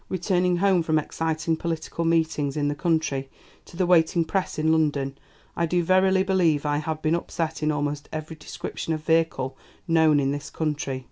Returning home from exciting political meetings in the country to the waiting press in London, I do verily believe I have been upset in almost every description of vehicle known in this country.